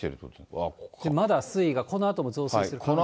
まだ水位がこのあとも増水する可能性があります。